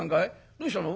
どうしたの？